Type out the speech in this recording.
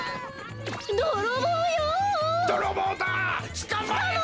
つかまえろ！